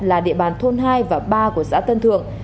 là địa bàn thôn hai và ba của xã tân thượng